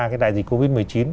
cái đại dịch covid một mươi chín